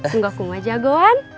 sunggoku mah jagoan